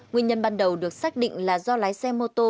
nguyên nhân ban đầu được xác định là do lái xe mô tô